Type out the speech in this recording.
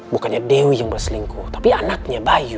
bukannya dewi yang berselingkuh tapi anaknya bayu